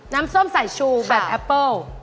น้ำส้มสายชูแบบแอปเปิ้ล